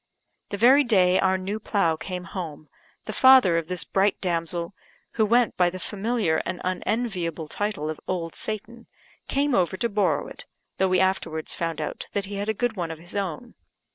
The very day our new plough came home, the father of this bright damsel, who went by the familiar and unenviable title of Old Satan, came over to borrow it (though we afterwards found out that he had a good one of his own).